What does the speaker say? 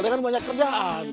dia kan banyak kerjaan